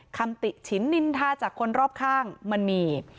คำติฉินนินทาจากคนรอบข้างมันมี